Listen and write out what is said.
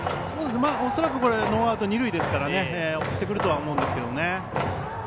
恐らくノーアウト、二塁ですから送ってくるとは思うんですけどね。